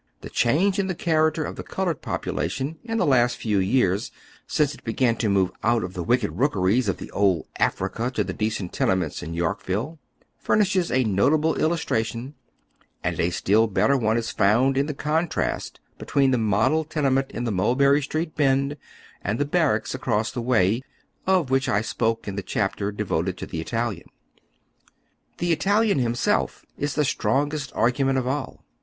The change in the character of the colored population in the few years since it began to move out of tlie wicked rookeries of the old "Africa" to the decent tenements in Yorkville, furnishes a notable illustration, and a still better one is found in the contrast between the model tenement in the Mulberry Street Bend and the barracks across the way, of which I spoke in the chapter devoted to the Italian. The Italian himself is the strongest argument of all.